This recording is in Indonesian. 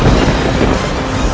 kau tidak bisa menang